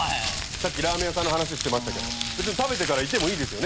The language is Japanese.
さっきラーメン屋さんの話してましたけど別に食べてからいてもいいですよね。